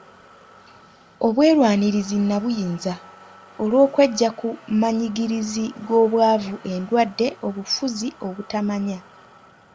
Obwerwanirizi nnabuyinza, olw’okweggya ku manyigiriza g’obwavu, endwadde, obufuzi, obutamanya